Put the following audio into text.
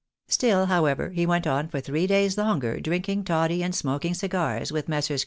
Still, however, he went on for three days longer drinking toddy and smoking cigars with Messrs.